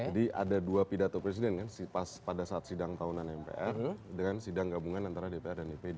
jadi ada dua pidato presiden kan pada saat sidang tahunan mpr dengan sidang gabungan antara dpr dan dpd